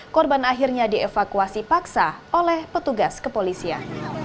korban akhirnya dievakuasi paksa oleh petugas kepolisian